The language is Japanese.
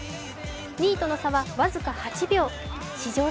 ２位との差は僅か８秒。